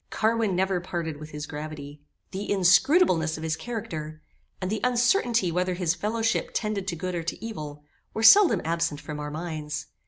Carwin never parted with his gravity. The inscrutableness of his character, and the uncertainty whether his fellowship tended to good or to evil, were seldom absent from our minds.